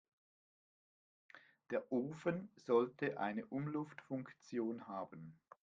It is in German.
Der Ofen sollte eine Umluftfunktion haben.